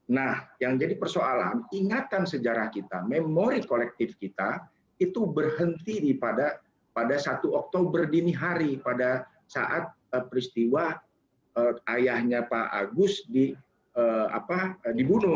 nah yang jadi persoalan ingatan sejarah kita memori kolektif kita itu berhenti pada satu oktober dini hari pada saat peristiwa ayahnya pak agus dibunuh